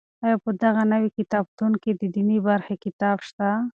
آیا په دغه نوي کتابتون کې دیني برخې شته؟